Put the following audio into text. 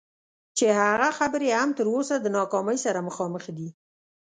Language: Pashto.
چې هغه خبرې هم تر اوسه د ناکامۍ سره مخامخ دي.